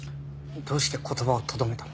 どうして言葉をとどめたの？